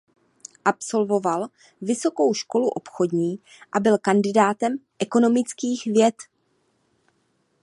Absolvoval Vysokou školu obchodní a byl kandidátem ekonomických věd.